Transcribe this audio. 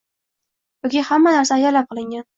Yoki hamma narsa ataylab qilingan